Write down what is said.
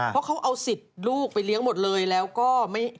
เพราะเขาเอาสิทธิ์ลูกไปเลี้ยงหมดเลยแล้วก็ไม่